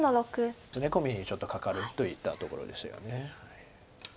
コミにちょっとかかるといったところですよね。